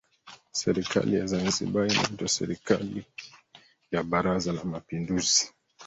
Serikali ya Zanzibar inaitwa serikali ya Baraza la mapinduzi